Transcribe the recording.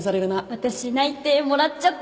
私内定もらっちゃった